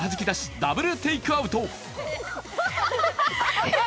ダブルテイクアウト。